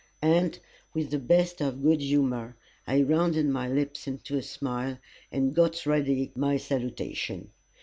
And, with the best of good humour, I rounded my lips into a smile, and got ready my salutation.